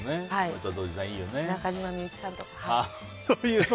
中島みゆきさんとか。